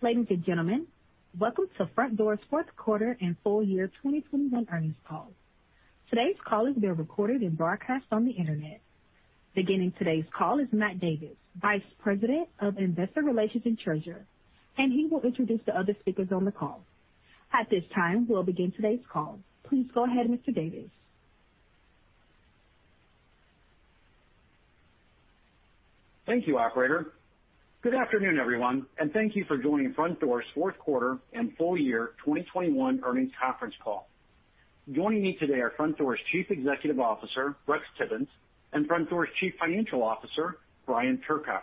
Ladies and gentlemen, welcome to Frontdoor's Fourth Quarter And Full Year 2021 Earnings Call. Today's call is being recorded and broadcast on the Internet. Beginning today's call is Matt Davis, Vice President of Investor Relations and Treasurer, and he will introduce the other speakers on the call. At this time, we'll begin today's call. Please go ahead, Mr. Davis. Thank you, operator. Good afternoon, everyone, and thank you for joining Frontdoor's fourth quarter and full year 2021 earnings conference call. Joining me today are Frontdoor's Chief Executive Officer, Rex Tibbens, and Frontdoor's Chief Financial Officer, Brian Turcotte.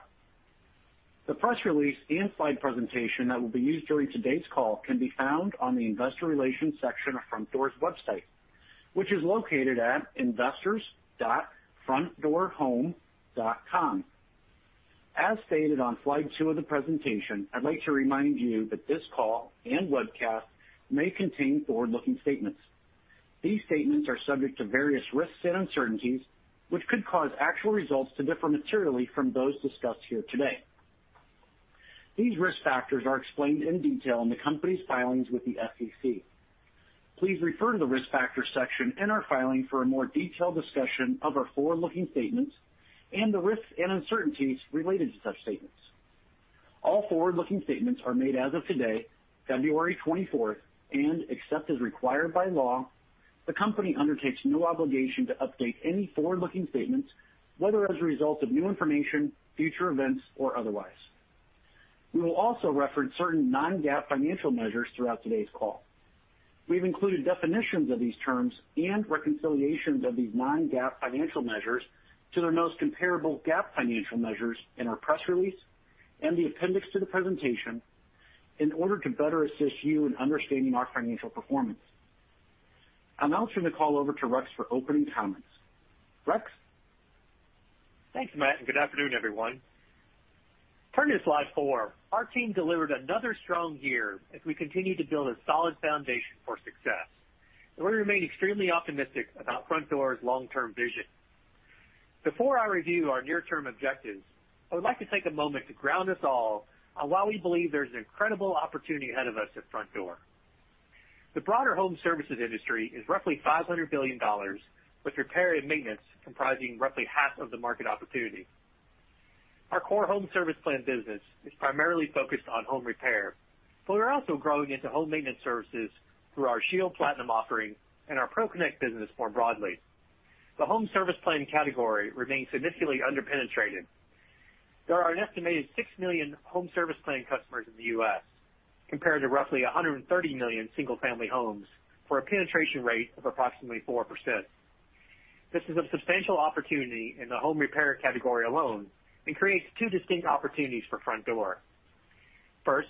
The press release and slide presentation that will be used during today's call can be found on the investor relations section of Frontdoor's website, which is located at investors.frontdoorhome.com. As stated on slide two of the presentation, I'd like to remind you that this call and webcast may contain forward-looking statements. These statements are subject to various risks and uncertainties, which could cause actual results to differ materially from those discussed here today. These risk factors are explained in detail in the company's filings with the SEC. Please refer to the Risk Factors section in our filing for a more detailed discussion of our forward-looking statements and the risks and uncertainties related to such statements. All forward-looking statements are made as of today, February twenty-fourth, and except as required by law, the company undertakes no obligation to update any forward-looking statements, whether as a result of new information, future events, or otherwise. We will also reference certain non-GAAP financial measures throughout today's call. We've included definitions of these terms and reconciliations of these non-GAAP financial measures to their most comparable GAAP financial measures in our press release and the appendix to the presentation in order to better assist you in understanding our financial performance. I'll now turn the call over to Rex for opening comments. Rex? Thanks, Matt, and good afternoon, everyone. Turning to slide four, our team delivered another strong year as we continue to build a solid foundation for success, and we remain extremely optimistic about Frontdoor's long-term vision. Before I review our near-term objectives, I would like to take a moment to ground us all on why we believe there's an incredible opportunity ahead of us at Frontdoor. The broader home services industry is roughly $500 billion, with repair and maintenance comprising roughly half of the market opportunity. Our core home service plan business is primarily focused on home repair, but we're also growing into home maintenance services through our ShieldPlatinum offering and our ProConnect business more broadly. The home service plan category remains significantly under-penetrated. There are an estimated 6 million home service plan customers in the U.S. compared to roughly 130 million single-family homes for a penetration rate of approximately 4%. This is a substantial opportunity in the home repair category alone and creates two distinct opportunities for Frontdoor. First,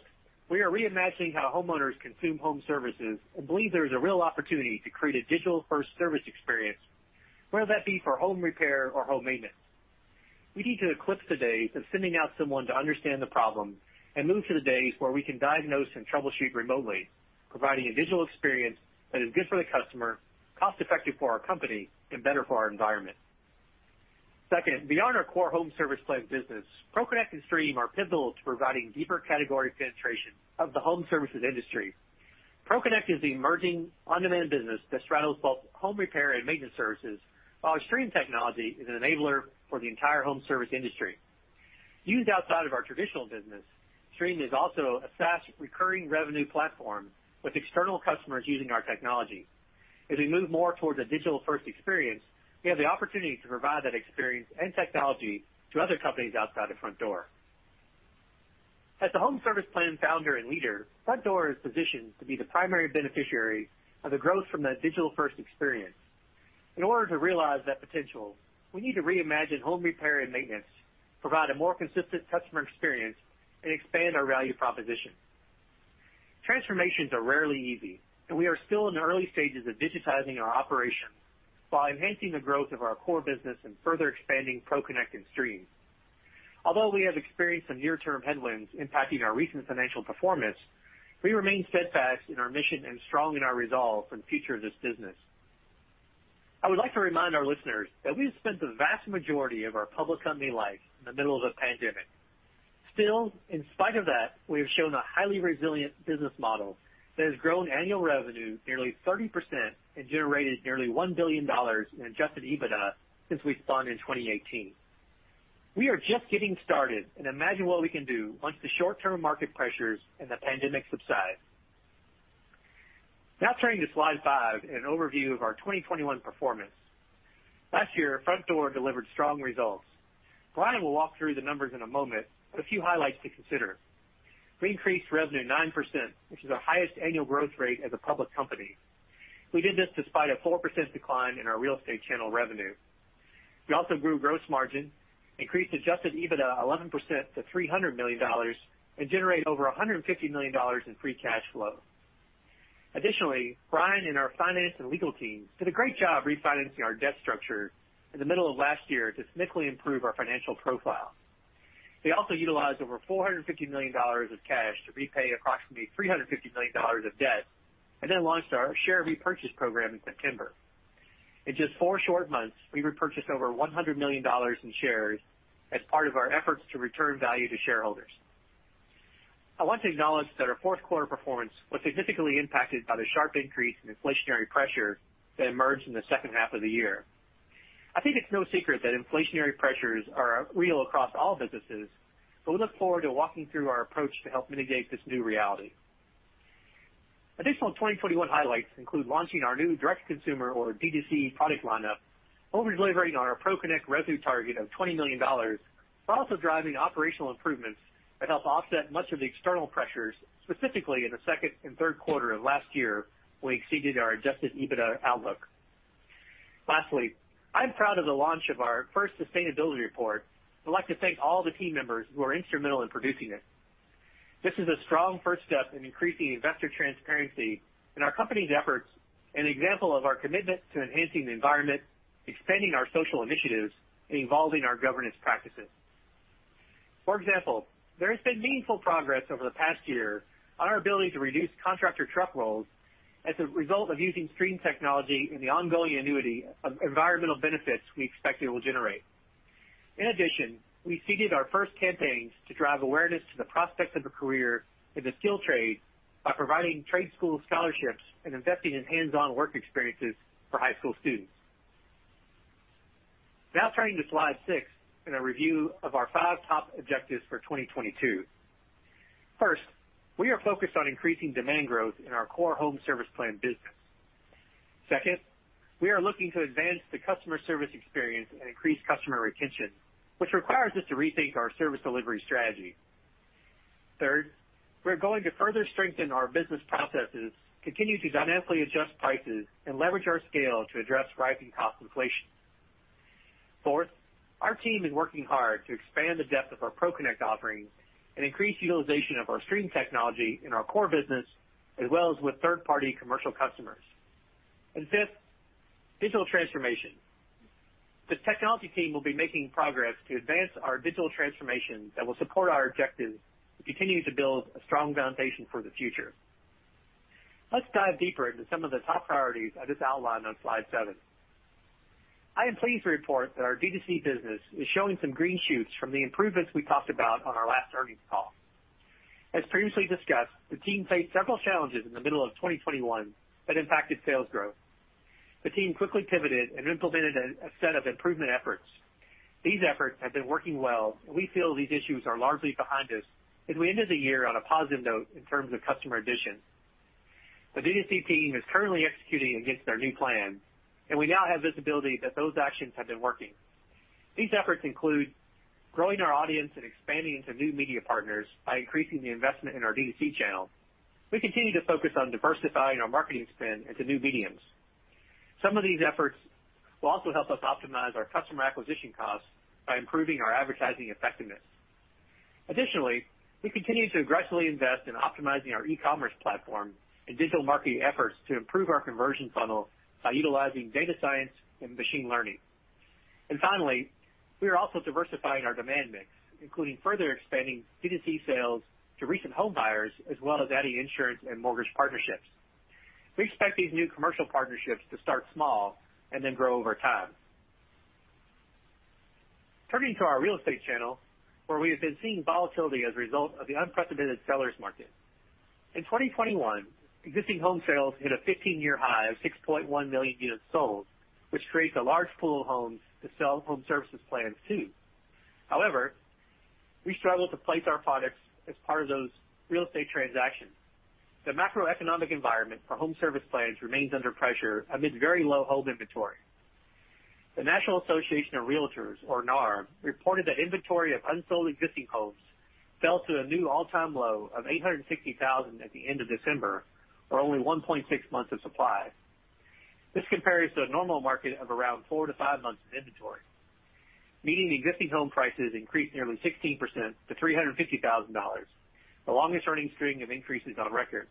we are reimagining how homeowners consume home services and believe there is a real opportunity to create a digital-first service experience, whether that be for home repair or home maintenance. We need to eclipse the days of sending out someone to understand the problem and move to the days where we can diagnose and troubleshoot remotely, providing a digital experience that is good for the customer, cost-effective for our company, and better for our environment. Second, beyond our core home service plan business, ProConnect and Streem are pivotal to providing deeper category penetration of the home services industry. ProConnect is the emerging on-demand business that straddles both home repair and maintenance services, while our Streem technology is an enabler for the entire home service industry. Used outside of our traditional business, Streem is also a SaaS recurring revenue platform with external customers using our technology. As we move more towards a digital-first experience, we have the opportunity to provide that experience and technology to other companies outside of Frontdoor. As the home service plan founder and leader, Frontdoor is positioned to be the primary beneficiary of the growth from that digital-first experience. In order to realize that potential, we need to reimagine home repair and maintenance, provide a more consistent customer experience, and expand our value proposition. Transformations are rarely easy, and we are still in the early stages of digitizing our operations while enhancing the growth of our core business and further expanding ProConnect and Streem. Although we have experienced some near-term headwinds impacting our recent financial performance, we remain steadfast in our mission and strong in our resolve for the future of this business. I would like to remind our listeners that we have spent the vast majority of our public company life in the middle of a pandemic. Still, in spite of that, we have shown a highly resilient business model that has grown annual revenue nearly 30% and generated nearly $1 billion in adjusted EBITDA since we spawned in 2018. We are just getting started and imagine what we can do once the short-term market pressures and the pandemic subside. Now turning to slide five, an overview of our 2021 performance. Last year, Frontdoor delivered strong results. Brian will walk through the numbers in a moment, but a few highlights to consider. We increased revenue 9%, which is our highest annual growth rate as a public company. We did this despite a 4% decline in our real estate channel revenue. We also grew gross margin, increased adjusted EBITDA 11% to $300 million, and generated over $150 million in free cash flow. Additionally, Brian and our finance and legal teams did a great job refinancing our debt structure in the middle of last year to significantly improve our financial profile. They also utilized over $450 million of cash to repay approximately $350 million of debt and then launched our share repurchase program in September. In just four short months, we repurchased over $100 million in shares as part of our efforts to return value to shareholders. I want to acknowledge that our fourth quarter performance was significantly impacted by the sharp increase in inflationary pressure that emerged in the second half of the year. I think it's no secret that inflationary pressures are real across all businesses, but we look forward to walking through our approach to help mitigate this new reality. Additional 2021 highlights include launching our new direct consumer or D2C product lineup, over-delivering on our ProConnect revenue target of $20 million, while also driving operational improvements that help offset much of the external pressures, specifically in the second and third quarter of last year, we exceeded our adjusted EBITDA outlook. Lastly, I'm proud of the launch of our first sustainability report. I'd like to thank all the team members who are instrumental in producing it. This is a strong first step in increasing investor transparency in our company's efforts and an example of our commitment to enhancing the environment, expanding our social initiatives, and evolving our governance practices. For example, there has been meaningful progress over the past year on our ability to reduce contractor truck rolls as a result of using Streem technology and the ongoing annuity of environmental benefits we expect it will generate. In addition, we seeded our first campaigns to drive awareness to the prospects of a career in the skilled trade by providing trade school scholarships and investing in hands-on work experiences for high school students. Now turning to slide six and a review of our five top objectives for 2022. First, we are focused on increasing demand growth in our core home service plan business. Second, we are looking to advance the customer service experience and increase customer retention, which requires us to rethink our service delivery strategy. Third, we're going to further strengthen our business processes, continue to dynamically adjust prices, and leverage our scale to address rising cost inflation. Fourth, our team is working hard to expand the depth of our ProConnect offerings and increase utilization of our Streem technology in our core business, as well as with third-party commercial customers. Fifth, digital transformation. The technology team will be making progress to advance our digital transformation that will support our objectives to continue to build a strong foundation for the future. Let's dive deeper into some of the top priorities I just outlined on slide seven. I am pleased to report that our D2C business is showing some green shoots from the improvements we talked about on our last earnings call. As previously discussed, the team faced several challenges in the middle of 2021 that impacted sales growth. The team quickly pivoted and implemented a set of improvement efforts. These efforts have been working well, and we feel these issues are largely behind us as we ended the year on a positive note in terms of customer additions. The D2C team is currently executing against our new plan, and we now have visibility that those actions have been working. These efforts include growing our audience and expanding into new media partners by increasing the investment in our D2C channel. We continue to focus on diversifying our marketing spend into new mediums. Some of these efforts will also help us optimize our customer acquisition costs by improving our advertising effectiveness. Additionally, we continue to aggressively invest in optimizing our e-commerce platform and digital marketing efforts to improve our conversion funnel by utilizing data science and machine learning. Finally, we are also diversifying our demand mix, including further expanding D2C sales to recent home buyers as well as adding insurance and mortgage partnerships. We expect these new commercial partnerships to start small and then grow over time. Turning to our real estate channel, where we have been seeing volatility as a result of the unprecedented seller's market. In 2021, existing home sales hit a 15-year high of 6.1 million units sold, which creates a large pool of homes to sell home services plans to. However, we struggle to place our products as part of those real estate transactions. The macroeconomic environment for home service plans remains under pressure amid very low home inventory. The National Association of Realtors, or NAR, reported that inventory of unsold existing homes fell to a new all-time low of 860,000 at the end of December, or only 1.6 months of supply. This compares to a normal market of around four-five months of inventory. Median existing home prices increased nearly 16% to $350,000, the longest running string of increases on record.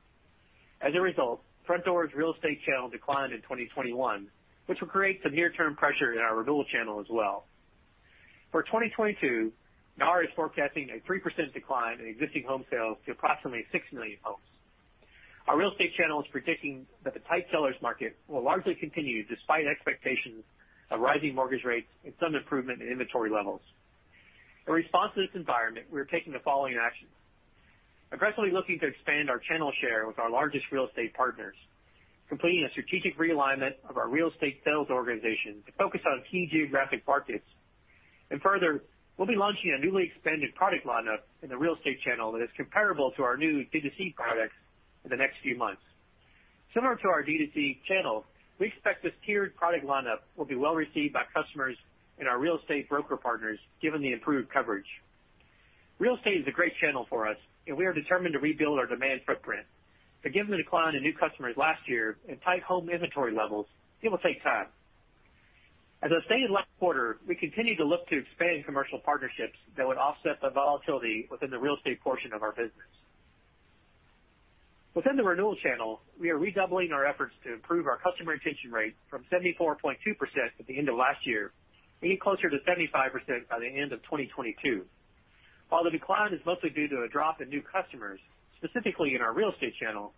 As a result, Frontdoor's real estate channel declined in 2021, which will create some near-term pressure in our renewal channel as well. For 2022, NAR is forecasting a 3% decline in existing home sales to approximately 6 million homes. Our real estate channel is predicting that the tight seller's market will largely continue despite expectations of rising mortgage rates and some improvement in inventory levels. In response to this environment, we're taking the following actions: aggressively looking to expand our channel share with our largest real estate partners, completing a strategic realignment of our real estate sales organization to focus on key geographic markets. Further, we'll be launching a newly expanded product lineup in the real estate channel that is comparable to our new D2C products in the next few months. Similar to our D2C channel, we expect this tiered product lineup will be well received by customers and our real estate broker partners given the improved coverage. Real estate is a great channel for us, and we are determined to rebuild our demand footprint. Given the decline in new customers last year and tight home inventory levels, it will take time. As I stated last quarter, we continue to look to expand commercial partnerships that would offset the volatility within the real estate portion of our business. Within the renewal channel, we are redoubling our efforts to improve our customer retention rate from 74.2% at the end of last year and get closer to 75% by the end of 2022. While the decline is mostly due to a drop in new customers, specifically in our real estate channel,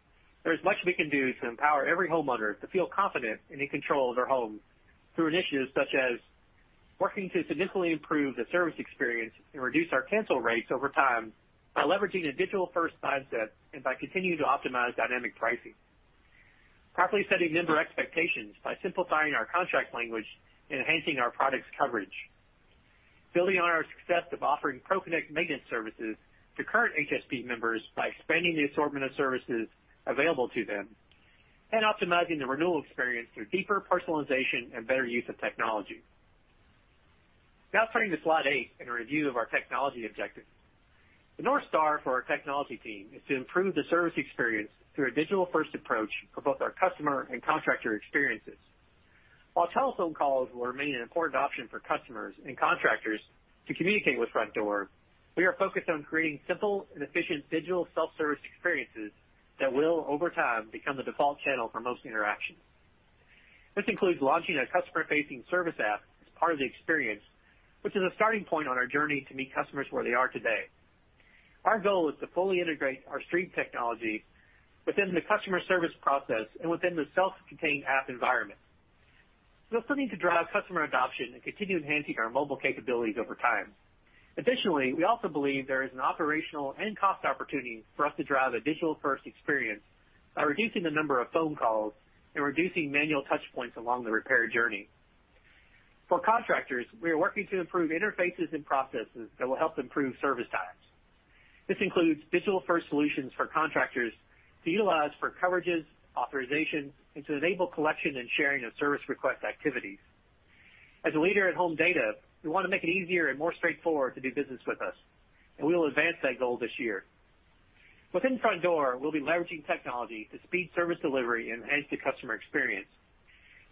there is much we can do to empower every homeowner to feel confident and in control of their home through initiatives such as working to significantly improve the service experience and reduce our cancel rates over time by leveraging a digital-first mindset and by continuing to optimize dynamic pricing, properly setting member expectations by simplifying our contract language, enhancing our product's coverage. Building on our success of offering ProConnect maintenance services to current HSP members by expanding the assortment of services available to them, and optimizing the renewal experience through deeper personalization and better use of technology. Now turning to slide eight and a review of our technology objectives. The North Star for our technology team is to improve the service experience through a digital-first approach for both our customer and contractor experiences. While telephone calls will remain an important option for customers and contractors to communicate with Frontdoor, we are focused on creating simple and efficient digital self-service experiences that will, over time, become the default channel for most interactions. This includes launching a customer-facing service app as part of the experience, which is a starting point on our journey to meet customers where they are today. Our goal is to fully integrate our Streem technology within the customer service process and within the self-contained app environment. We're still looking to drive customer adoption and continue enhancing our mobile capabilities over time. Additionally, we also believe there is an operational and cost opportunity for us to drive a digital-first experience by reducing the number of phone calls and reducing manual touch points along the repair journey. For contractors, we are working to improve interfaces and processes that will help improve service times. This includes digital-first solutions for contractors to utilize for coverages, authorizations, and to enable collection and sharing of service request activities. As a leader in home data, we wanna make it easier and more straightforward to do business with us, and we will advance that goal this year. Within Frontdoor, we'll be leveraging technology to speed service delivery and enhance the customer experience.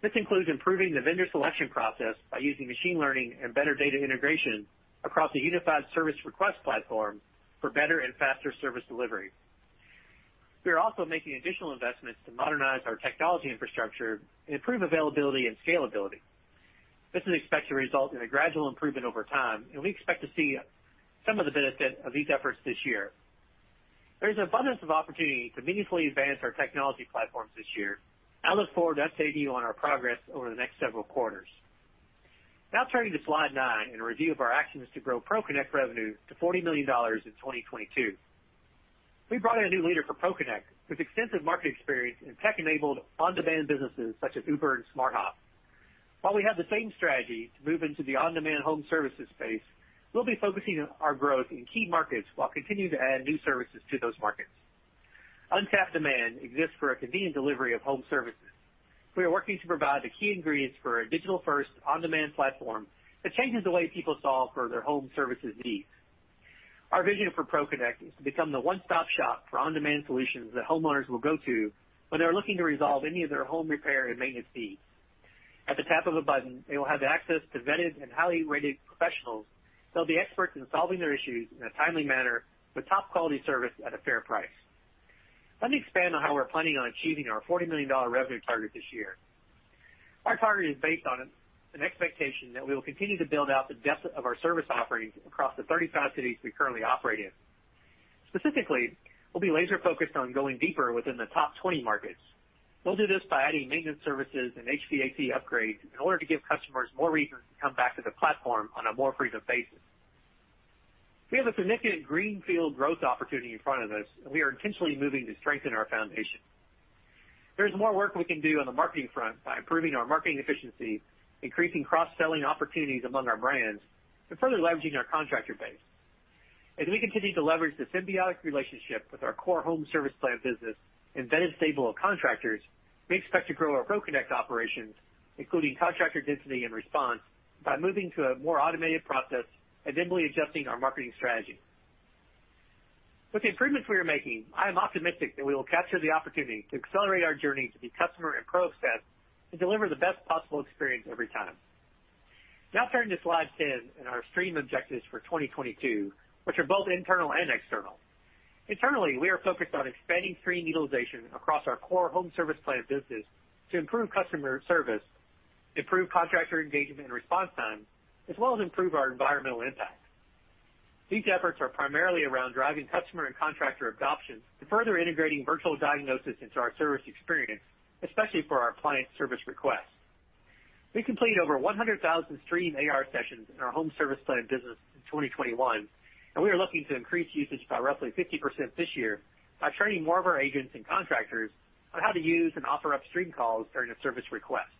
This includes improving the vendor selection process by using machine learning and better data integration across a unified service request platform for better and faster service delivery. We are also making additional investments to modernize our technology infrastructure and improve availability and scalability. This is expected to result in a gradual improvement over time, and we expect to see some of the benefit of these efforts this year. There's an abundance of opportunity to meaningfully advance our technology platforms this year. I look forward to updating you on our progress over the next several quarters. Now turning to slide 9 and a review of our actions to grow ProConnect revenue to $40 million in 2022. We brought in a new leader for ProConnect with extensive market experience in tech-enabled on-demand businesses such as Uber and SmartHop. While we have the same strategy to move into the on-demand home services space, we'll be focusing our growth in key markets while continuing to add new services to those markets. Untapped demand exists for a convenient delivery of home services. We are working to provide the key ingredients for a digital-first on-demand platform that changes the way people solve for their home services needs. Our vision for ProConnect is to become the one-stop-shop for on-demand solutions that homeowners will go to when they're looking to resolve any of their home repair and maintenance needs. At the tap of a button, they will have access to vetted and highly rated professionals that will be experts in solving their issues in a timely manner with top-quality service at a fair price. Let me expand on how we're planning on achieving our $40 million revenue target this year. Our target is based on an expectation that we will continue to build out the depth of our service offerings across the 35 cities we currently operate in. Specifically, we'll be laser-focused on going deeper within the top 20 markets. We'll do this by adding maintenance services and HVAC upgrades in order to give customers more reasons to come back to the platform on a more frequent basis. We have a significant greenfield growth opportunity in front of us, and we are intentionally moving to strengthen our foundation. There's more work we can do on the marketing front by improving our marketing efficiency, increasing cross-selling opportunities among our brands, and further leveraging our contractor base. As we continue to leverage the symbiotic relationship with our core home service plan business and vetted stable of contractors, we expect to grow our ProConnect operations, including contractor density and response, by moving to a more automated process and nimbly adjusting our marketing strategy. With the improvements we are making, I am optimistic that we will capture the opportunity to accelerate our journey to be customer and pro-obsessed, and deliver the best possible experience every time. Now turning to slide 10 and our Streem objectives for 2022, which are both internal and external. Internally, we are focused on expanding Streem utilization across our core home service plan business to improve customer service, improve contractor engagement and response time, as well as improve our environmental impact. These efforts are primarily around driving customer and contractor adoption to further integrating virtual diagnosis into our service experience, especially for our client service requests. We completed over 100,000 Streem AR sessions in our home service plan business in 2021, and we are looking to increase usage by roughly 50% this year by training more of our agents and contractors on how to use and offer up Streem calls during a service request.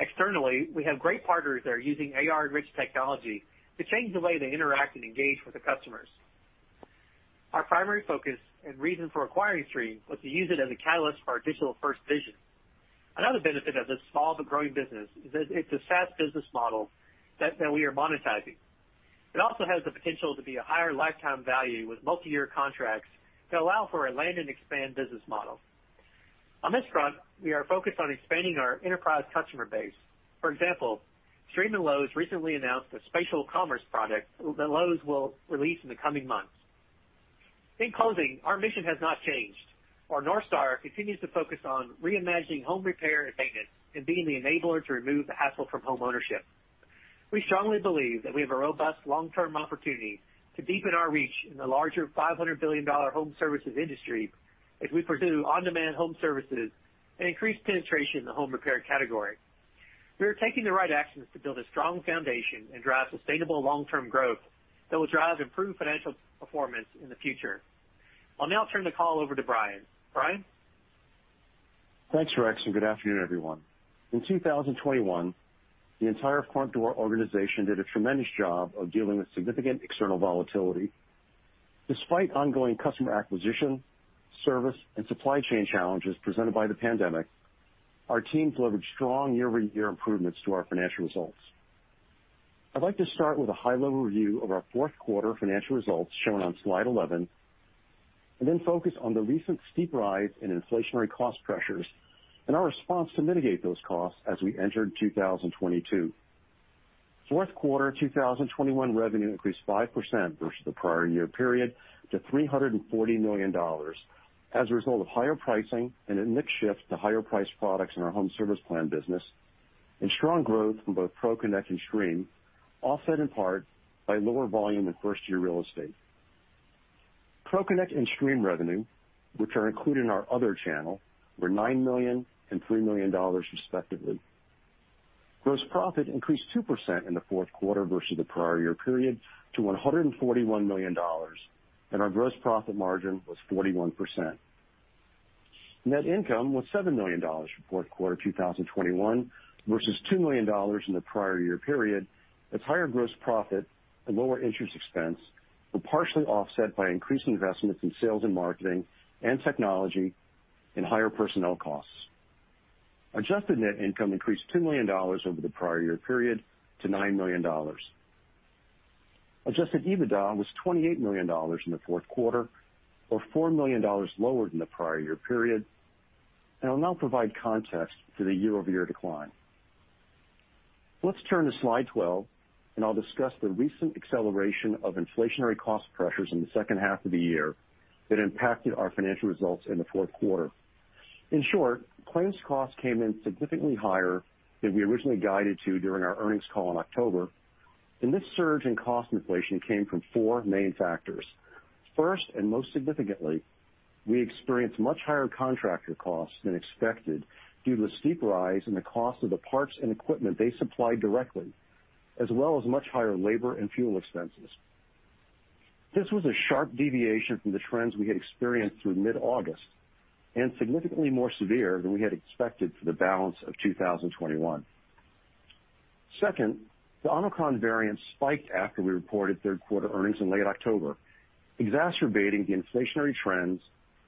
Externally, we have great partners that are using AR-rich technology to change the way they interact and engage with the customers. Our primary focus and reason for acquiring Streem was to use it as a catalyst for our digital-first vision. Another benefit of this small but growing business is that it's a SaaS business model that we are monetizing. It also has the potential to be a higher lifetime value with multi-year contracts that allow for a land and expand business model. On this front, we are focused on expanding our enterprise customer base. For example, Streem and Lowe's recently announced a spatial commerce product that Lowe's will release in the coming months. In closing, our mission has not changed. Our North Star continues to focus on reimagining home repair and maintenance and being the enabler to remove the hassle from homeownership. We strongly believe that we have a robust long-term opportunity to deepen our reach in the larger $500 billion home services industry as we pursue on-demand home services and increase penetration in the home repair category. We are taking the right actions to build a strong foundation and drive sustainable long-term growth that will drive improved financial performance in the future. I'll now turn the call over to Brian. Brian? Thanks, Rex, and good afternoon, everyone. In 2021, the entire Frontdoor organization did a tremendous job of dealing with significant external volatility. Despite ongoing customer acquisition, service, and supply chain challenges presented by the pandemic, our teams leveraged strong year-over-year improvements to our financial results. I'd like to start with a high-level review of our fourth quarter financial results shown on slide 11, and then focus on the recent steep rise in inflationary cost pressures and our response to mitigate those costs as we entered 2022. Fourth quarter 2021 revenue increased 5% versus the prior year period to $340 million as a result of higher pricing and a mix shift to higher priced products in our home service plan business and strong growth from both ProConnect and Streem, offset in part by lower volume in first-year real estate. ProConnect and Streem revenue, which are included in our other channel, were $9 million and $3 million respectively. Gross profit increased 2% in the fourth quarter versus the prior year period to $141 million, and our gross profit margin was 41%. Net income was $7 million for fourth quarter 2021 versus $2 million in the prior year period as higher gross profit and lower interest expense were partially offset by increased investments in sales and marketing and technology and higher personnel costs. Adjusted net income increased $2 million over the prior year period to $9 million. Adjusted EBITDA was $28 million in the fourth quarter, or $4 million lower than the prior year period. I will now provide context to the year-over-year decline. Let's turn to slide 12, and I'll discuss the recent acceleration of inflationary cost pressures in the second half of the year that impacted our financial results in the fourth quarter. In short, claims costs came in significantly higher than we originally guided to during our earnings call in October, and this surge in cost inflation came from four main factors. First, and most significantly, we experienced much higher contractor costs than expected due to a steep rise in the cost of the parts and equipment they supplied directly, as well as much higher labor and fuel expenses. This was a sharp deviation from the trends we had experienced through mid-August and significantly more severe than we had expected for the balance of 2021. Second, the Omicron variant spiked after we reported third quarter earnings in late October, exacerbating the inflationary trends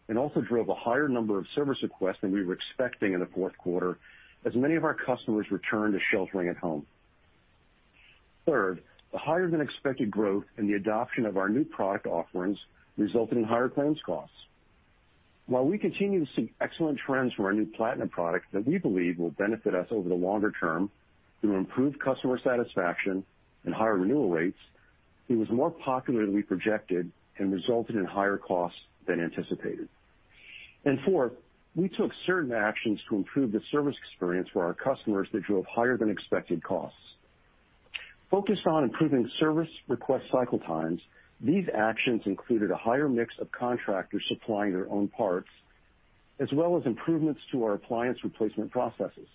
and also drove a higher number of service requests than we were expecting in the fourth quarter as many of our customers returned to sheltering at home. Third, the higher than expected growth in the adoption of our new product offerings resulted in higher claims costs. While we continue to see excellent trends from our new platinum product that we believe will benefit us over the longer term through improved customer satisfaction and higher renewal rates, it was more popular than we projected and resulted in higher costs than anticipated. Fourth, we took certain actions to improve the service experience for our customers that drove higher than expected costs. Focused on improving service request cycle times, these actions included a higher mix of contractors supplying their own parts, as well as improvements to our appliance replacement processes.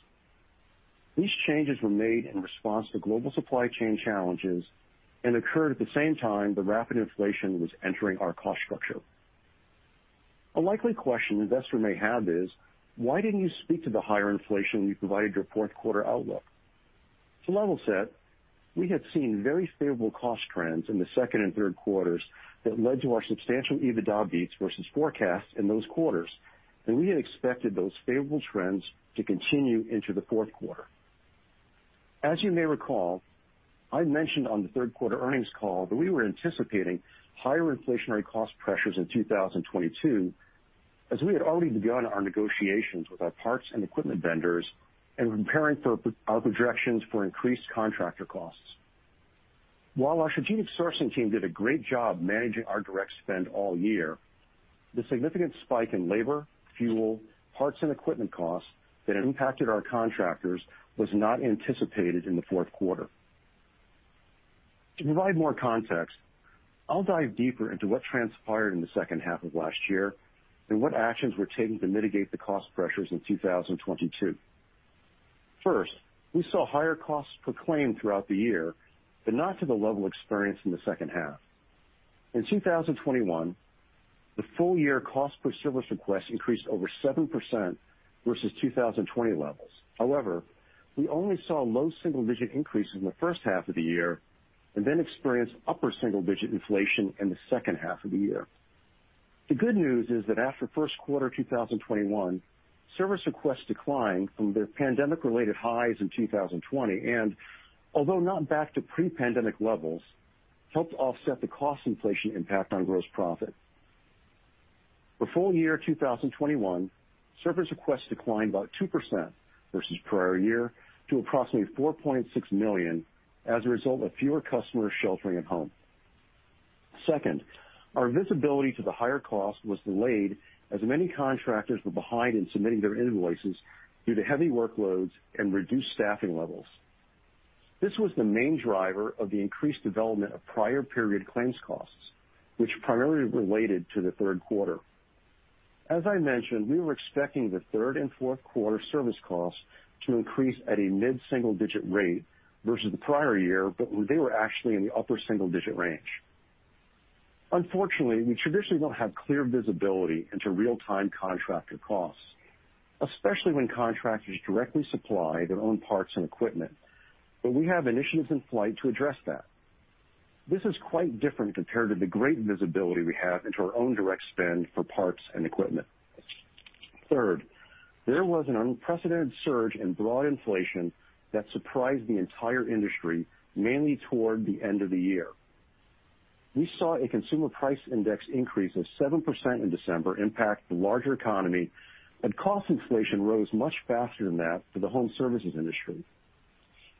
These changes were made in response to global supply chain challenges and occurred at the same time the rapid inflation was entering our cost structure. A likely question an investor may have is, why didn't you speak to the higher inflation when you provided your fourth quarter outlook? To level set, we had seen very favorable cost trends in the second and third quarters that led to our substantial EBITDA beats versus forecasts in those quarters, and we had expected those favorable trends to continue into the fourth quarter. As you may recall, I mentioned on the third quarter earnings call that we were anticipating higher inflationary cost pressures in 2022 as we had already begun our negotiations with our parts and equipment vendors and were preparing for our projections for increased contractor costs. While our strategic sourcing team did a great job managing our direct spend all year, the significant spike in labor, fuel, parts and equipment costs that impacted our contractors was not anticipated in the fourth quarter. To provide more context, I'll dive deeper into what transpired in the second half of last year and what actions were taken to mitigate the cost pressures in 2022. First, we saw higher costs per claim throughout the year, but not to the level experienced in the second half. In 2021, the full year cost per service request increased over 7% versus 2020 levels. However, we only saw low single-digit increase in the first half of the year, and then experienced upper single-digit inflation in the second half of the year. The good news is that after first quarter 2021, service requests declined from their pandemic-related highs in 2020, and although not back to pre-pandemic levels, helped offset the cost inflation impact on gross profit. For full year 2021, service requests declined by 2% versus prior year to approximately 4.6 million as a result of fewer customers sheltering at home. Second, our visibility to the higher cost was delayed as many contractors were behind in submitting their invoices due to heavy workloads and reduced staffing levels. This was the main driver of the increased development of prior period claims costs, which primarily related to the third quarter. As I mentioned, we were expecting the third and fourth quarter service costs to increase at a mid-single-digit rate versus the prior year, but they were actually in the upper single-digit range. Unfortunately, we traditionally don't have clear visibility into real-time contractor costs, especially when contractors directly supply their own parts and equipment, but we have initiatives in flight to address that. This is quite different compared to the great visibility we have into our own direct spend for parts and equipment. Third, there was an unprecedented surge in broad inflation that surprised the entire industry, mainly toward the end of the year. We saw a Consumer Price Index increase of 7% in December impact the larger economy, but cost inflation rose much faster than that for the home services industry.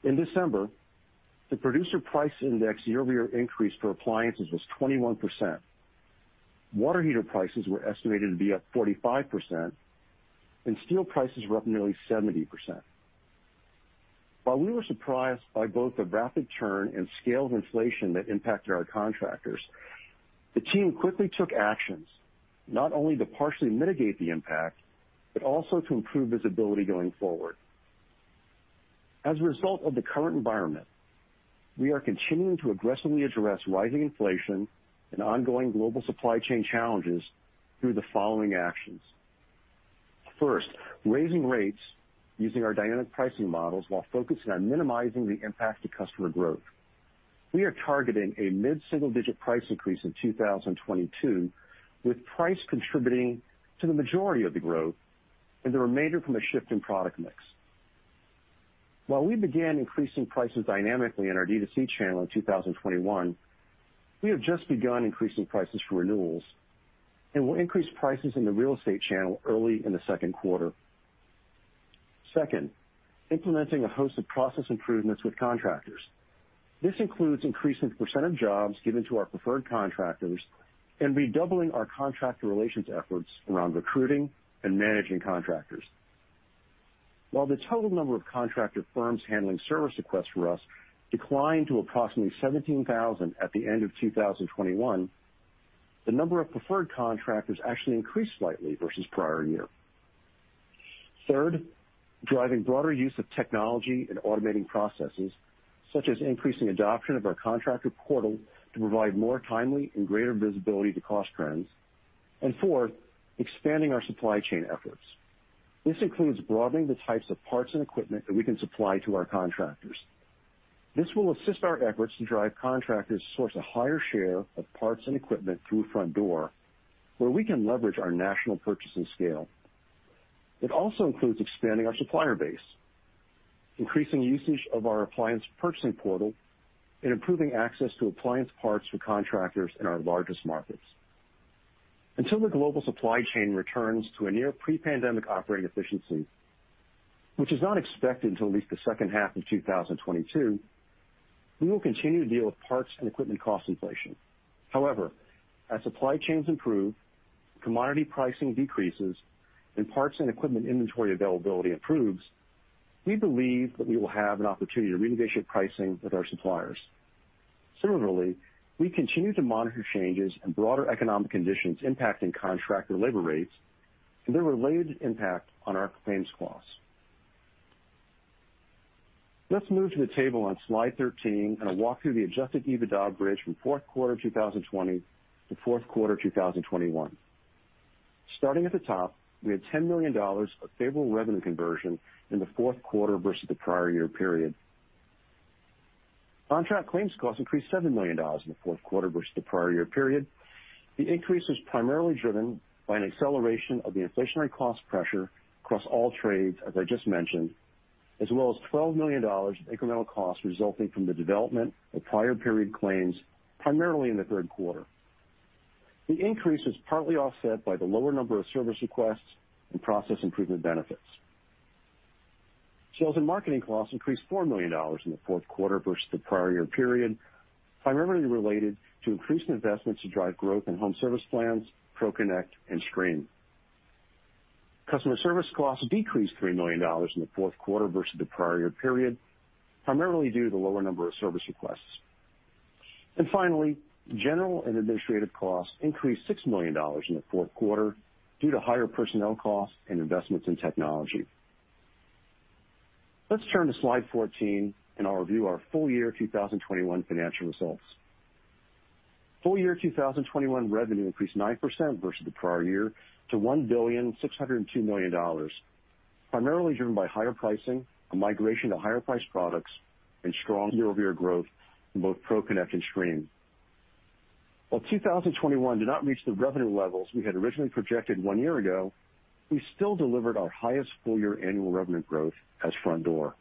In December, the Producer Price Index year-over-year increase for appliances was 21%. Water heater prices were estimated to be up 45%, and steel prices were up nearly 70%. While we were surprised by both the rapid turn and scale of inflation that impacted our contractors, the team quickly took actions not only to partially mitigate the impact, but also to improve visibility going forward. As a result of the current environment, we are continuing to aggressively address rising inflation and ongoing global supply chain challenges through the following actions. First, raising rates using our dynamic pricing models while focusing on minimizing the impact to customer growth. We are targeting a mid-single-digit % price increase in 2022, with price contributing to the majority of the growth and the remainder from a shift in product mix. While we began increasing prices dynamically in our D2C channel in 2021, we have just begun increasing prices for renewals and will increase prices in the real estate channel early in the second quarter. Second, implementing a host of process improvements with contractors. This includes increasing the of jobs given to our preferred contractors and redoubling our contractor relations efforts around recruiting and managing contractors. While the total number of contractor firms handling service requests for us declined to approximately 17,000 at the end of 2021, the number of preferred contractors actually increased slightly versus prior year. Third, driving broader use of technology and automating processes, such as increasing adoption of our contractor portal to provide more timely and greater visibility to cost trends. Fourth, expanding our supply chain efforts. This includes broadening the types of parts and equipment that we can supply to our contractors. This will assist our efforts to drive contractors to source a higher share of parts and equipment through Frontdoor, where we can leverage our national purchasing scale. It also includes expanding our supplier base, increasing usage of our appliance purchasing portal, and improving access to appliance parts for contractors in our largest markets. Until the global supply chain returns to a near pre-pandemic operating efficiency, which is not expected until at least the second half of 2022, we will continue to deal with parts and equipment cost inflation. However, as supply chains improve, commodity pricing decreases, and parts and equipment inventory availability improves, we believe that we will have an opportunity to renegotiate pricing with our suppliers. Similarly, we continue to monitor changes in broader economic conditions impacting contractor labor rates and their related impact on our claims costs. Let's move to the table on slide 13, and I'll walk through the adjusted EBITDA bridge from fourth quarter 2020 to fourth quarter 2021. Starting at the top, we had $10 million of favorable revenue conversion in the fourth quarter versus the prior year period. Contract claims costs increased $7 million in the fourth quarter versus the prior year period. The increase was primarily driven by an acceleration of the inflationary cost pressure across all trades, as I just mentioned, as well as $12 million in incremental costs resulting from the development of prior period claims, primarily in the third quarter. The increase was partly offset by the lower number of service requests and process improvement benefits. Sales and marketing costs increased $4 million in the fourth quarter versus the prior year period, primarily related to increased investments to drive growth in home service plans, ProConnect, and Streem. Customer service costs decreased $3 million in the fourth quarter versus the prior year period, primarily due to the lower number of service requests. Finally, general and administrative costs increased $6 million in the fourth quarter due to higher personnel costs and investments in technology. Let's turn to slide 14, and I'll review our full year 2021 financial results. Full year 2021 revenue increased 9% versus the prior year to $1.602 billion, primarily driven by higher pricing, a migration to higher priced products, and strong year-over-year growth in both ProConnect and Streem. While 2021 did not reach the revenue levels we had originally projected one year ago, we still delivered our highest full year annual revenue growth as Frontdoor.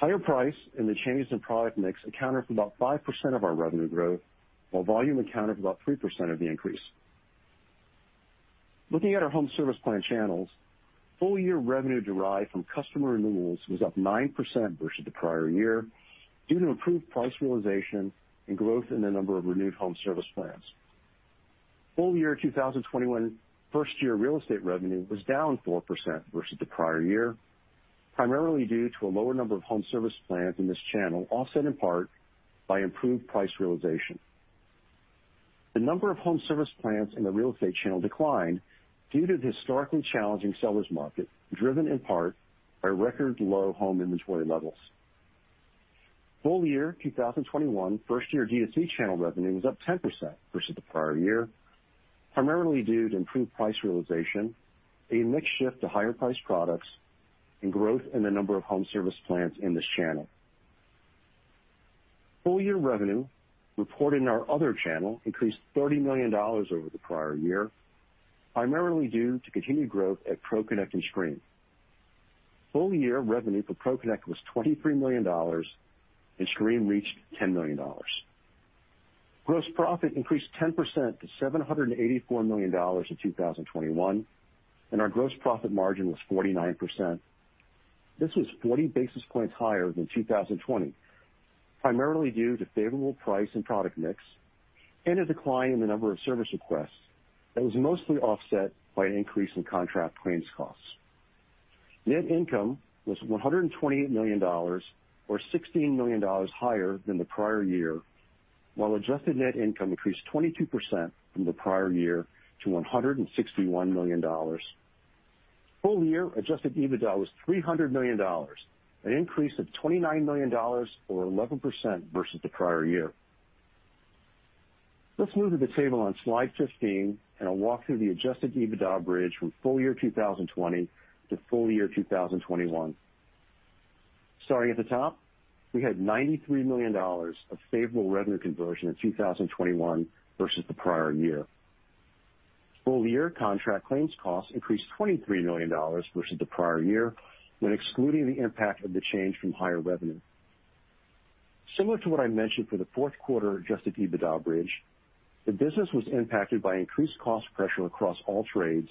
Higher price and the changes in product mix accounted for about 5% of our revenue growth, while volume accounted for about 3% of the increase. Looking at our home service plan channels, full year revenue derived from customer renewals was up 9% versus the prior year due to improved price realization and growth in the number of renewed home service plans. Full year 2021, first year real estate revenue was down 4% versus the prior year, primarily due to a lower number of home service plans in this channel, offset in part by improved price realization. The number of home service plans in the real estate channel declined due to the historically challenging seller's market, driven in part by record low home inventory levels. Full year 2021, first year D2C channel revenue was up 10% versus the prior year, primarily due to improved price realization, a mix shift to higher priced products, and growth in the number of home service plans in this channel. Full year revenue reported in our other channel increased $30 million over the prior year, primarily due to continued growth at ProConnect and Streem. Full year revenue for ProConnect was $23 million and Streem reached $10 million. Gross profit increased 10% to $784 million in 2021, and our gross profit margin was 49%. This was 40 basis points higher than 2020, primarily due to favorable price and product mix and a decline in the number of service requests that was mostly offset by an increase in contract claims costs. Net income was $128 million, or $16 million higher than the prior year, while adjusted net income increased 22% from the prior year to $161 million. Full year adjusted EBITDA was $300 million, an increase of $29 million or 11% versus the prior year. Let's move to the table on slide 15, and I'll walk through the adjusted EBITDA bridge from full year 2020 to full year 2021. Starting at the top, we had $93 million of favorable revenue conversion in 2021 versus the prior year. Full year contract claims costs increased $23 million versus the prior year when excluding the impact of the change from higher revenue. Similar to what I mentioned for the fourth quarter adjusted EBITDA bridge, the business was impacted by increased cost pressure across all trades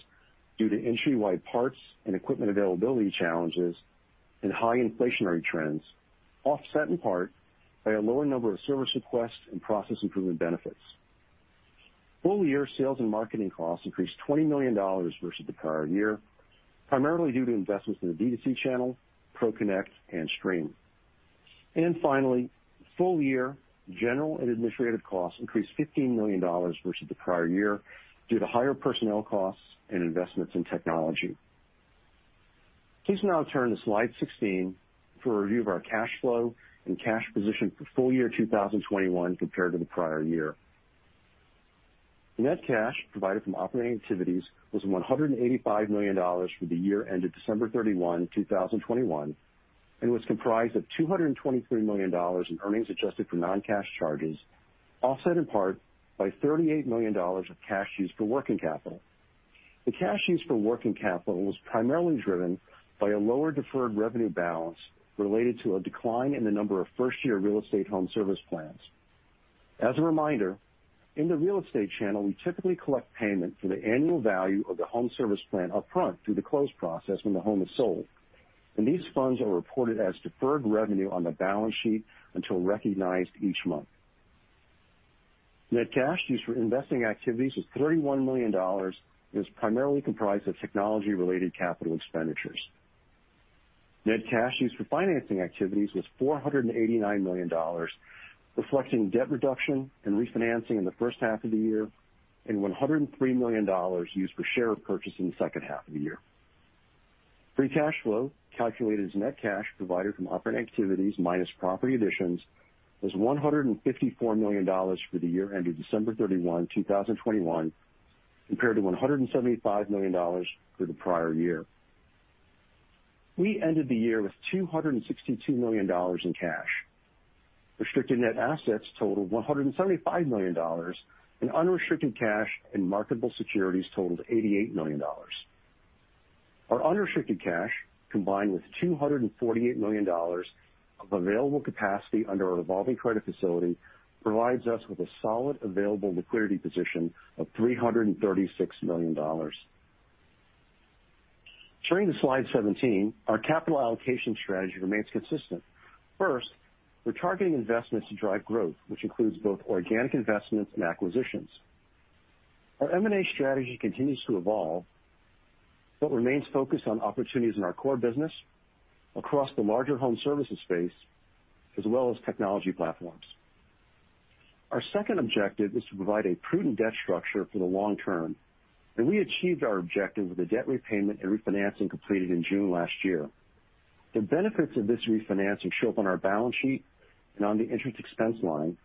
due to industry-wide parts and equipment availability challenges and high inflationary trends, offset in part by a lower number of service requests and process improvement benefits. Full year sales and marketing costs increased $20 million versus the prior year, primarily due to investments in the D2C channel, ProConnect and Streem. Finally, full year general and administrative costs increased $15 million versus the prior year due to higher personnel costs and investments in technology. Please now turn to slide 16 for a review of our cash flow and cash position for full year 2021 compared to the prior year. Net cash provided from operating activities was $185 million for the year ended December 31, 2021, and was comprised of $223 million in earnings adjusted for non-cash charges, offset in part by $38 million of cash used for working capital. The cash used for working capital was primarily driven by a lower deferred revenue balance related to a decline in the number of first-year real estate home service plans. As a reminder, in the real estate channel, we typically collect payment for the annual value of the home service plan up front through the closing process when the home is sold, and these funds are reported as deferred revenue on the balance sheet until recognized each month. Net cash used for investing activities was $31 million and is primarily comprised of technology-related capital expenditures. Net cash used for financing activities was $489 million, reflecting debt reduction and refinancing in the first half of the year and $103 million used for share purchase in the second half of the year. Free cash flow, calculated as net cash provided from operating activities minus property additions, was $154 million for the year ended December 31, 2021, compared to $175 million for the prior year. We ended the year with $262 million in cash. Restricted net assets totaled $175 million and unrestricted cash and marketable securities totaled $88 million. Our unrestricted cash, combined with $248 million of available capacity under our revolving credit facility, provides us with a solid available liquidity position of $336 million. Turning to slide 17, our capital allocation strategy remains consistent. First, we're targeting investments to drive growth, which includes both organic investments and acquisitions. Our M&A strategy continues to evolve, but remains focused on opportunities in our core business across the larger home services space, as well as technology platforms. Our second objective is to provide a prudent debt structure for the long term, and we achieved our objective with the debt repayment and refinancing completed in June last year. The benefits of this refinancing show up on our balance sheet and on the interest expense line,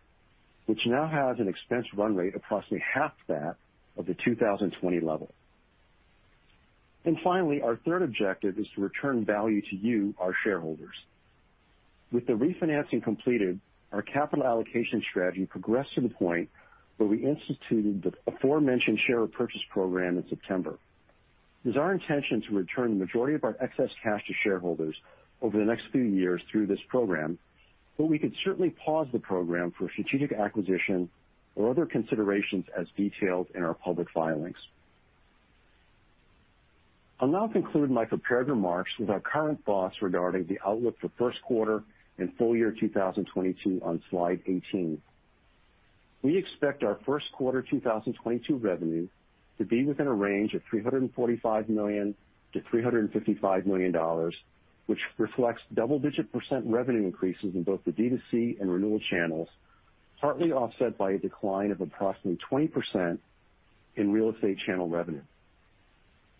which now has an expense run rate approximately half that of the 2020 level. Finally, our third objective is to return value to you, our shareholders. With the refinancing completed, our capital allocation strategy progressed to the point where we instituted the aforementioned share repurchase program in September. It is our intention to return the majority of our excess cash to shareholders over the next few years through this program, but we could certainly pause the program for strategic acquisition or other considerations as detailed in our public filings. I'll now conclude my prepared remarks with our current thoughts regarding the outlook for first quarter and full year 2022 on slide 18. We expect our first quarter 2022 revenue to be within a range of $345 million-$355 million, which reflects double-digit % revenue increases in both the D2C and renewal channels, partly offset by a decline of approximately 20% in real estate channel revenue.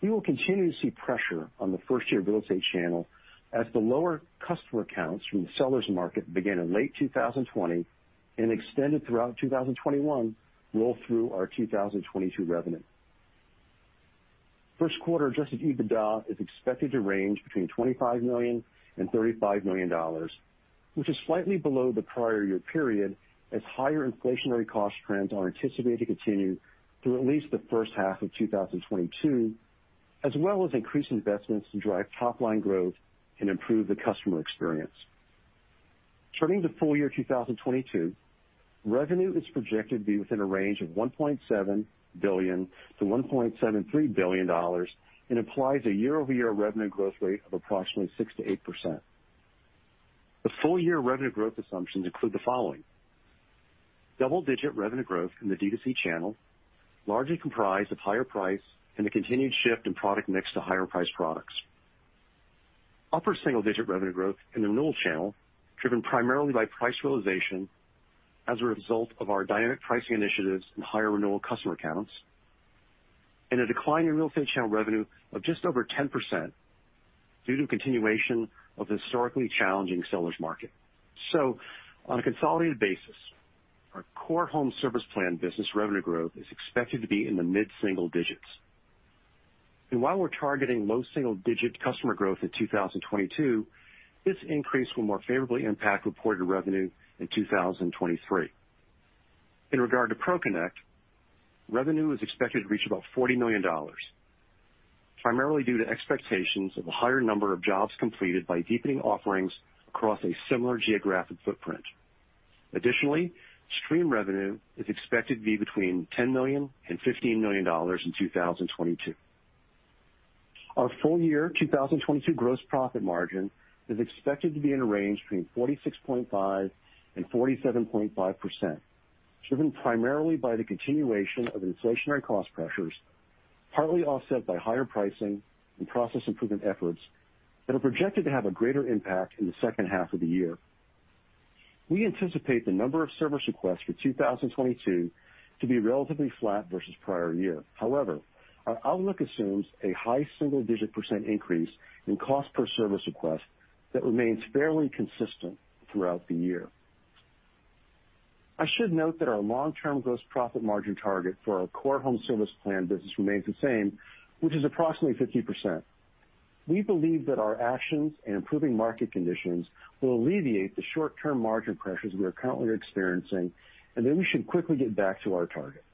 We will continue to see pressure on the first year real estate channel as the lower customer accounts from the seller's market began in late 2020 and extended throughout 2021 roll through our 2022 revenue. First quarter adjusted EBITDA is expected to range between $25 million-$35 million, which is slightly below the prior year period, as higher inflationary cost trends are anticipated to continue through at least the first half of 2022, as well as increased investments to drive top line growth and improve the customer experience. Turning to full year 2022, revenue is projected to be within a range of $1.7 billion-$1.73 billion and implies a year-over-year revenue growth rate of approximately 6%-8%. The full year revenue growth assumptions include the following: double-digit revenue growth in the D2C channel, largely comprised of higher price and the continued shift in product mix to higher priced products. Upper single digit revenue growth in the renewal channel, driven primarily by price realization as a result of our dynamic pricing initiatives and higher renewal customer accounts, and a decline in real estate channel revenue of just over 10% due to continuation of the historically challenging seller's market. On a consolidated basis, our core home service plan business revenue growth is expected to be in the mid-single digits. While we're targeting low single digit customer growth in 2022, this increase will more favorably impact reported revenue in 2023. In regard to ProConnect, revenue is expected to reach about $40 million, primarily due to expectations of a higher number of jobs completed by deepening offerings across a similar geographic footprint. Additionally, Streem revenue is expected to be between $10 million and $15 million in 2022. Our full year 2022 gross profit margin is expected to be in a range between 46.5% and 47.5%, driven primarily by the continuation of inflationary cost pressures, partly offset by higher pricing and process improvement efforts that are projected to have a greater impact in the second half of the year. We anticipate the number of service requests for 2022 to be relatively flat versus prior year. However, our outlook assumes a high single-digit % increase in cost per service request that remains fairly consistent throughout the year. I should note that our long-term gross profit margin target for our core home service plan business remains the same, which is approximately 50%. We believe that our actions and improving market conditions will alleviate the short-term margin pressures we are currently experiencing and that we should quickly get back to our target.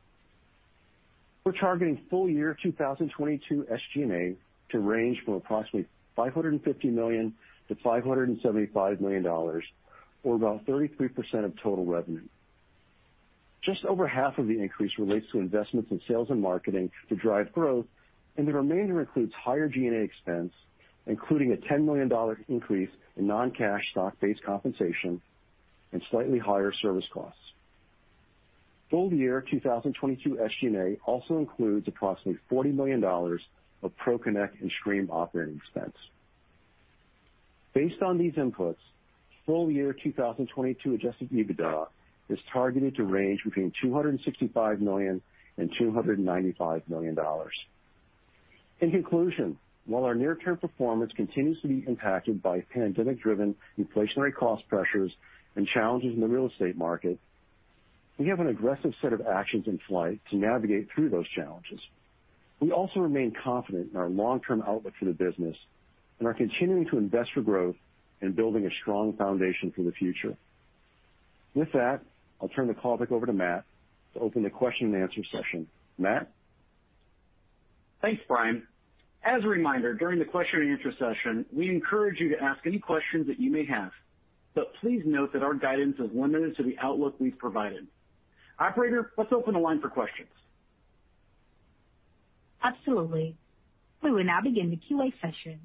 We're targeting full year 2022 SG&A to range from approximately $550 million-$575 million or about 33% of total revenue. Just over half of the increase relates to investments in sales and marketing to drive growth, and the remainder includes higher G&A expense, including a $10 million increase in non-cash stock-based compensation and slightly higher service costs. Full year 2022 SG&A also includes approximately $40 million of ProConnect and Streem operating expense. Based on these inputs, full year 2022 adjusted EBITDA is targeted to range between $265 million-$295 million. In conclusion, while our near-term performance continues to be impacted by pandemic-driven inflationary cost pressures and challenges in the real estate market, we have an aggressive set of actions in flight to navigate through those challenges. We also remain confident in our long-term outlook for the business and are continuing to invest for growth and building a strong foundation for the future. With that, I'll turn the call back over to Matt to open the question and answer session. Matt? Thanks, Brian. As a reminder, during the question and answer session, we encourage you to ask any questions that you may have, but please note that our guidance is limited to the outlook we've provided. Operator, let's open the line for questions. Absolutely. We will now begin the Q&A session.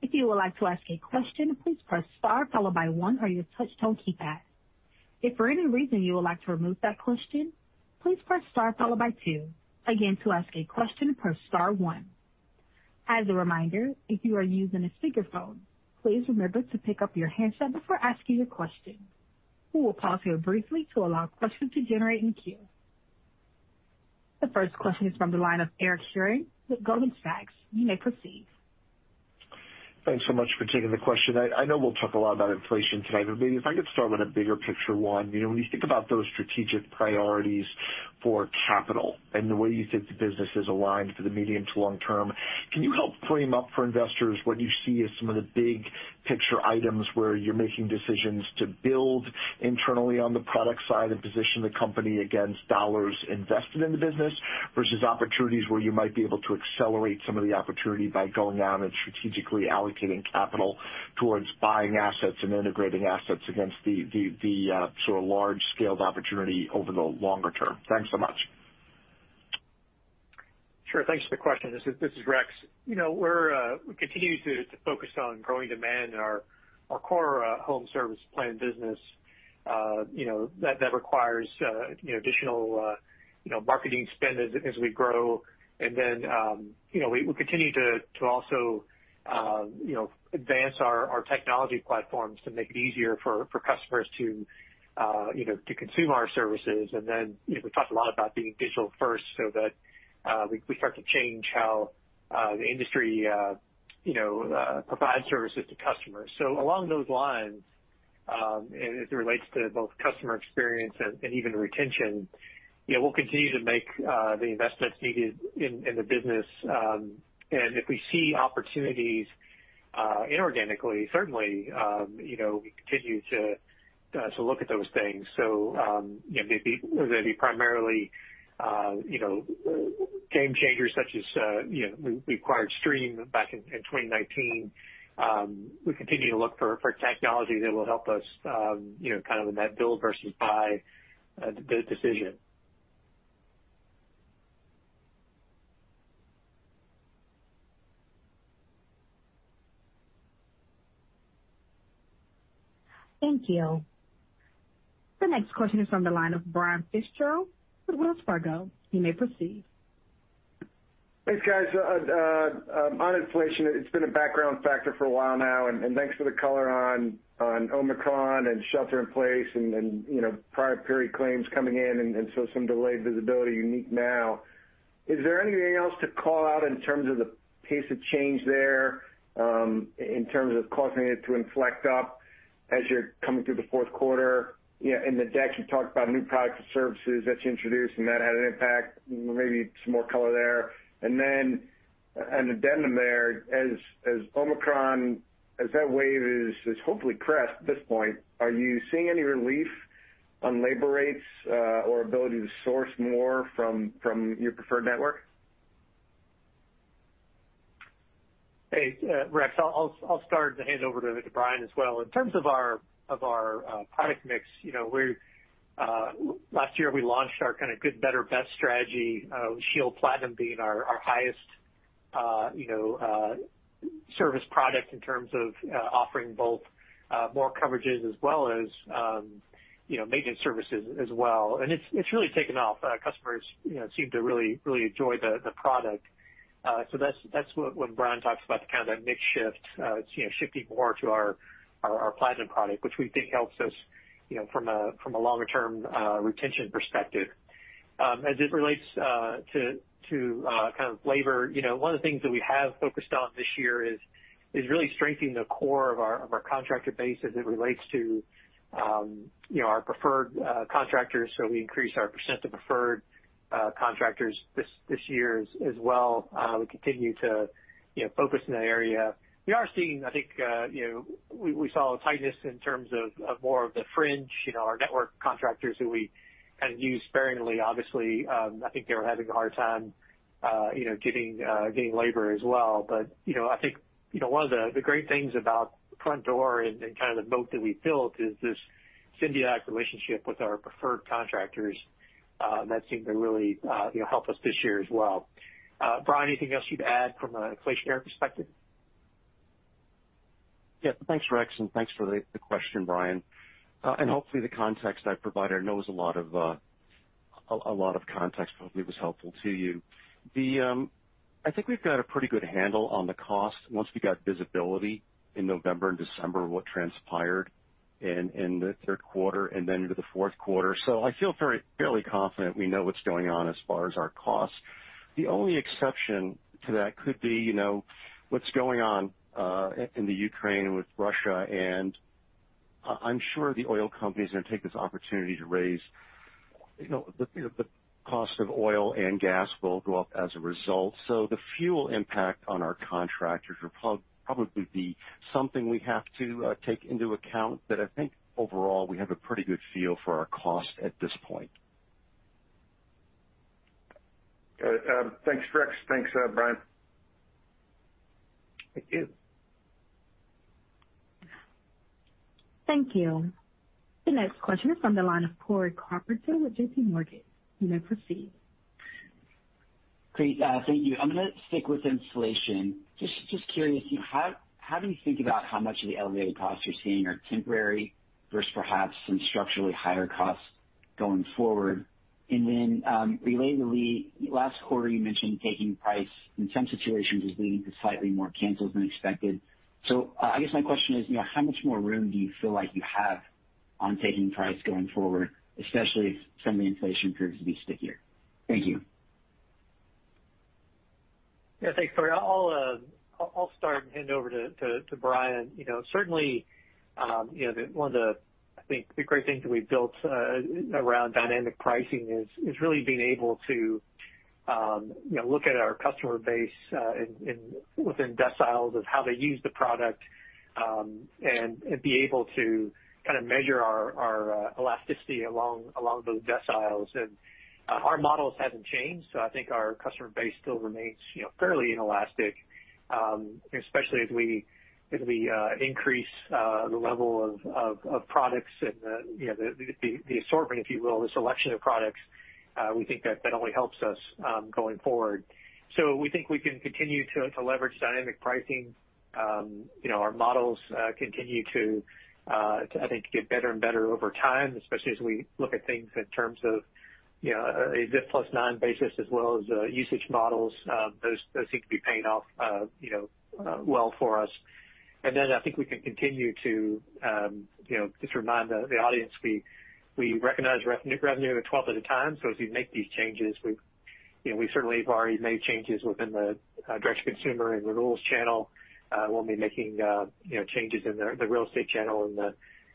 If you would like to ask a question, please press star followed by one on your touch tone keypad. If for any reason you would like to remove that question, please press star followed by two. Again, to ask a question, press star one. As a reminder, if you are using a speakerphone, please remember to pick up your handset before asking a question. We will pause here briefly to allow questions to enter the queue. The first question is from the line of Eric Sheridan with Goldman Sachs. You may proceed. Thanks so much for taking the question. I know we'll talk a lot about inflation tonight, but maybe if I could start with a bigger picture one. You know, when you think about those strategic priorities for capital and the way you think the business is aligned for the medium to long term, can you frame up for investors what you see as some of the big picture items where you're making decisions to build internally on the product side and position the company against dollars invested in the business, versus opportunities where you might be able to accelerate some of the opportunity by going out and strategically allocating capital towards buying assets and integrating assets against the sort of large-scale opportunity over the longer term. Thanks so much. Sure. Thanks for the question. This is Rex. You know, we continue to focus on growing demand in our core home service plan business. You know, that requires additional marketing spend as we grow. We continue to also advance our technology platforms to make it easier for customers to consume our services. You know, we talked a lot about being digital first so that we start to change how the industry provides services to customers. Along those lines, as it relates to both customer experience and even retention, you know, we'll continue to make the investments needed in the business. If we see opportunities inorganically, certainly, you know, we continue to look at those things. You know, whether they be primarily, you know, game changers such as, you know, we acquired Streem back in 2019. We continue to look for technology that will help us, you know, kind of in that build versus buy decision. Thank you. The next question is from the line of Brian Fitzgerald with Wells Fargo. You may proceed. Thanks, guys. On inflation, it's been a background factor for a while now, and thanks for the color on Omicron and shelter in place and, you know, prior period claims coming in and so some delayed visibility unique now. Is there anything else to call out in terms of the pace of change there, in terms of causing it to inflect up as you're coming through the fourth quarter? You know, in the deck, you talked about new products and services that you introduced and that had an impact, maybe some more color there. Then an addendum there. As Omicron, as that wave is hopefully crest at this point, are you seeing any relief on labor rates, or ability to source more from your preferred network? Hey, Rex, I'll start to hand over to Brian as well. In terms of our product mix, you know, last year we launched our kind of good, better, best strategy, ShieldPlatinum being our highest service product in terms of offering both more coverages as well as, you know, maintenance services as well. It's really taken off. Customers, you know, seem to really enjoy the product. That's what, when Brian talks about the kind of that mix shift, you know, it's shifting more to our Platinum product, which we think helps us, you know, from a longer term retention perspective. As it relates to kind of labor, you know, one of the things that we have focused on this year is really strengthening the core of our contractor base as it relates to our preferred contractors. We increased our percentage of preferred contractors this year as well. We continue to, you know, focus in that area. We are seeing, I think, we saw a tightness in terms of more of the fringe, you know, our network contractors who we kind of use sparingly, obviously. I think they were having a hard time getting labor as well. You know, I think, you know, one of the great things about Frontdoor and kind of the moat that we built is this symbiotic relationship with our preferred contractors, that seemed to really, you know, help us this year as well. Brian, anything else you'd add from an inflationary perspective? Yeah. Thanks, Rex, and thanks for the question, Brian. Hopefully the context I provided, I know it was a lot of context, hopefully was helpful to you. I think we've got a pretty good handle on the cost once we got visibility in November and December, what transpired in the third quarter and then into the fourth quarter. I feel very fairly confident we know what's going on as far as our costs. The only exception to that could be, you know, what's going on in the Ukraine with Russia. I'm sure the oil companies are gonna take this opportunity to raise, you know, the cost of oil and gas will go up as a result. The fuel impact on our contractors will probably be something we have to take into account. I think overall, we have a pretty good feel for our cost at this point. Good. Thanks, Rex. Thanks, Brian. Thank you. Thank you. The next question is from the line of Cory Carpenter with J.P. Morgan. You may proceed. Great. Thank you. I'm gonna stick with inflation. Just curious, you know, how do you think about how much of the elevated costs you're seeing are temporary versus perhaps some structurally higher costs going forward? Relatedly, last quarter, you mentioned taking price in some situations is leading to slightly more cancels than expected. I guess my question is, you know, how much more room do you feel like you have on taking price going forward, especially if some of the inflation proves to be stickier? Thank you. Yeah, thanks, Cory. I'll start and hand over to Brian. You know, certainly, you know, one of the, I think the great things that we've built around dynamic pricing is really being able to, you know, look at our customer base within deciles of how they use the product and be able to kind of measure our elasticity along those deciles. Our models haven't changed, so I think our customer base still remains, you know, fairly inelastic, especially as we increase the level of products and the, you know, the assortment, if you will, the selection of products, we think that only helps us going forward. We think we can continue to leverage dynamic pricing. You know, our models continue to I think get better and better over time, especially as we look at things in terms of, you know, a zip plus nine basis as well as usage models. Those seem to be paying off, you know, well for us. I think we can continue to, you know, just remind the audience, we recognize revenue 12 at a time. As we make these changes, we, you know, we certainly have already made changes within the direct-to-consumer and renewals channel. We'll be making, you know, changes in the real estate channel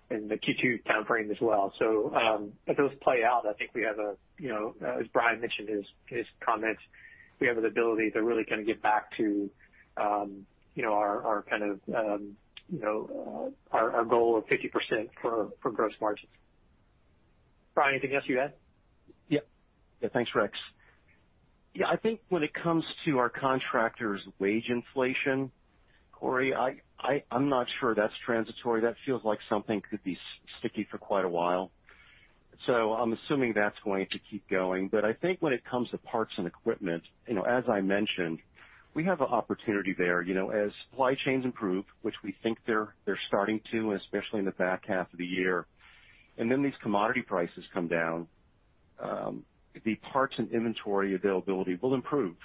in the Q2 timeframe as well. As those play out, I think we have a, you know, as Brian mentioned in his comments, we have the ability to really kinda get back to, you know, our kind of, you know, our goal of 50% for gross margins. Brian, anything else you add? Yeah. Thanks, Rex. I think when it comes to our contractors wage inflation, Corey, I'm not sure that's transitory. That feels like something could be sticky for quite a while, so I'm assuming that's going to keep going. I think when it comes to parts and equipment, you know, as I mentioned, we have an opportunity there. You know, as supply chains improve, which we think they're starting to, and especially in the back half of the year, and then these commodity prices come down, the parts and inventory availability will improve.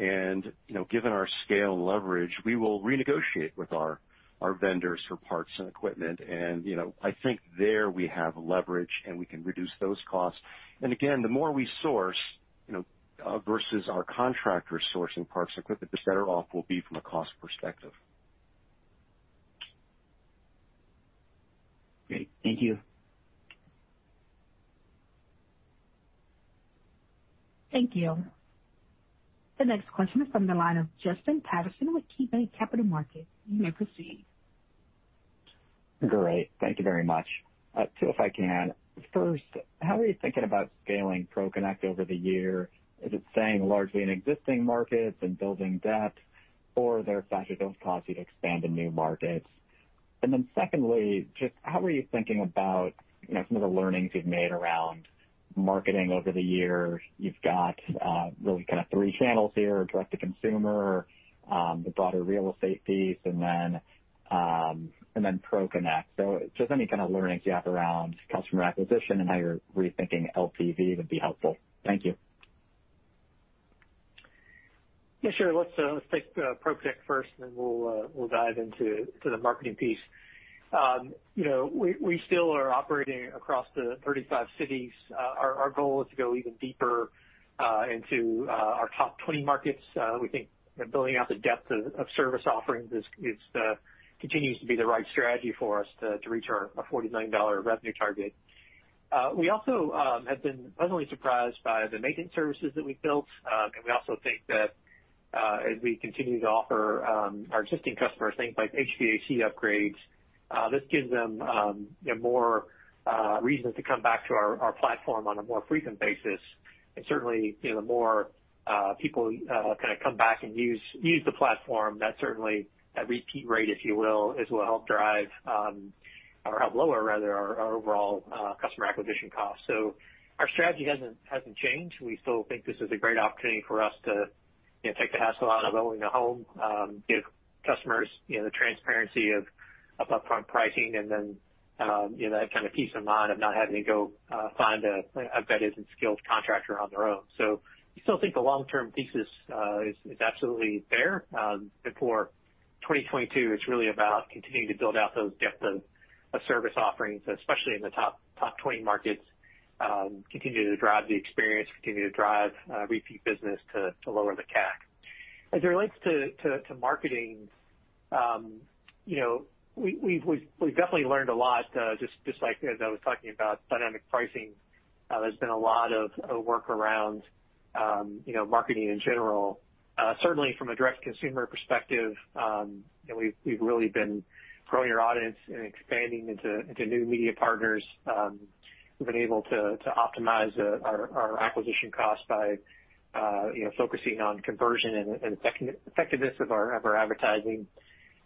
You know, given our scale and leverage, we will renegotiate with our vendors for parts and equipment. You know, I think there we have leverage, and we can reduce those costs. Again, the more we source, you know, versus our contractors sourcing parts and equipment, the better off we'll be from a cost perspective. Great. Thank you. Thank you. The next question is from the line of Justin Patterson with KeyBanc Capital Markets. You may proceed. Great. Thank you very much. Two if I can. First, how are you thinking about scaling ProConnect over the year? Is it staying largely in existing markets and building depth, or are there factors that will cause you to expand in new markets? Second, just how are you thinking about some of the learnings you've made around marketing over the years? You've got really kind of three channels here, direct-to-consumer, the broader real estate piece, and then ProConnect. Just any kind of learnings you have around customer acquisition and how you're rethinking LTV would be helpful. Thank you. Yeah, sure. Let's take ProConnect first, and then we'll dive into the marketing piece. You know, we still are operating across the 35 cities. Our goal is to go even deeper into our top 20 markets. We think building out the depth of service offerings continues to be the right strategy for us to reach our $40 million revenue target. We also have been pleasantly surprised by the maintenance services that we've built. We also think that as we continue to offer our existing customers things like HVAC upgrades, this gives them you know, more reasons to come back to our platform on a more frequent basis. Certainly, you know, the more people kind of come back and use the platform, that certainly that repeat rate, if you will, as will help drive or help lower rather our overall customer acquisition costs. Our strategy hasn't changed. We still think this is a great opportunity for us to, you know, take the hassle out of owning a home, give customers, you know, the transparency of upfront pricing, and then, you know, that kind of peace of mind of not having to go find a vetted and skilled contractor on their own. We still think the long-term thesis is absolutely there. For 2022, it's really about continuing to build out those depth of service offerings, especially in the top 20 markets, continue to drive the experience, continue to drive repeat business to lower the CAC. As it relates to marketing, you know, we've definitely learned a lot, just like as I was talking about dynamic pricing. There's been a lot of work around, you know, marketing in general. Certainly from a direct-to-consumer perspective, you know, we've really been growing our audience and expanding into new media partners. We've been able to optimize our acquisition costs by, you know, focusing on conversion and effectiveness of our advertising.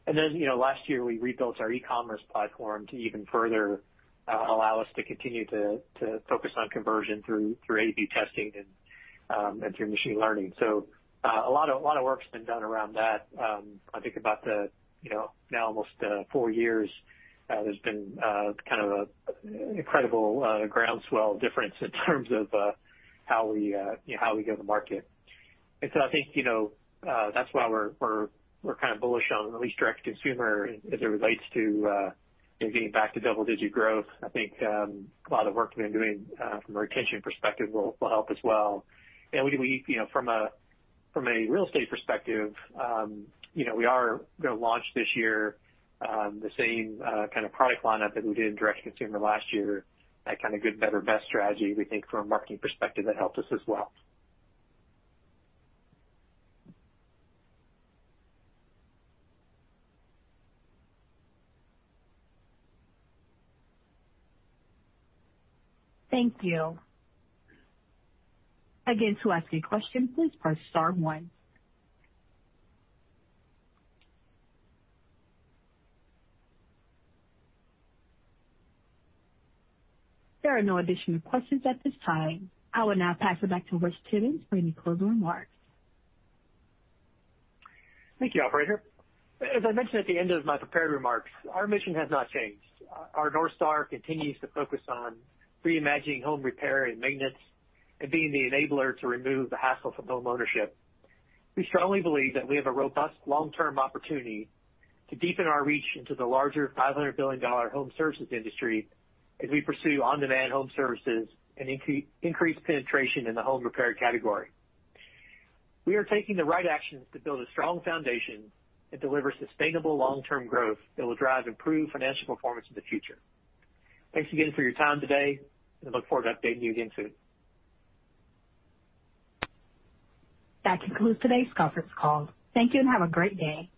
You know, last year, we rebuilt our e-commerce platform to even further allow us to continue to focus on conversion through A/B testing and through machine learning. A lot of work's been done around that. I think about the, you know, now almost four years, there's been kind of an incredible groundswell difference in terms of how we go to market. I think, you know, that's why we're kind of bullish on at least direct-to-consumer as it relates to, you know, getting back to double-digit growth. I think a lot of work we've been doing from a retention perspective will help as well. We, you know, from a real estate perspective, you know, we are gonna launch this year, the same kind of product lineup that we did in direct consumer last year. That kind of good, better, best strategy, we think from a marketing perspective, that helped us as well Thank you. Again, to ask a question, please press star one. There are no additional questions at this time. I will now pass it back to Rex Tibbens for any closing remarks. Thank you, operator. As I mentioned at the end of my prepared remarks, our mission has not changed. Our North Star continues to focus on reimagining home repair and maintenance and being the enabler to remove the hassle from homeownership. We strongly believe that we have a robust long-term opportunity to deepen our reach into the larger $500 billion home services industry as we pursue on-demand home services and increased penetration in the home repair category. We are taking the right actions to build a strong foundation and deliver sustainable long-term growth that will drive improved financial performance in the future. Thanks again for your time today, and I look forward to updating you again soon. That concludes today's conference call. Thank you, and have a great day.